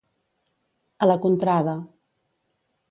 A la contrada.